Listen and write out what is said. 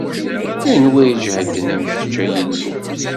Anwa i iǧehden am kečč, a Illu?